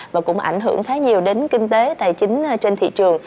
và cũng ảnh hưởng khá nhiều đến kinh tế tài chính trên thị trường